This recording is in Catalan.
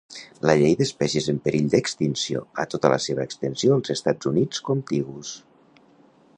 La Llei d'espècies en perill d'extinció a tota la seva extensió dels Estats Units contigus.